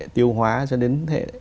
tiêu hóa cho đến hệ